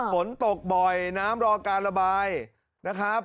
ฝนตกบ่อยน้ำรอการระบายนะครับ